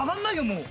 もう。